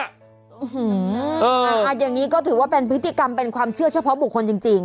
อย่างนี้ก็ถือว่าเป็นพฤติกรรมเป็นความเชื่อเฉพาะบุคคลจริง